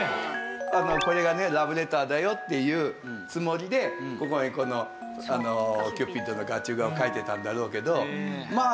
これがねラブレターだよっていうつもりでここにこのキューピッドの画中画を描いてたんだろうけどまあ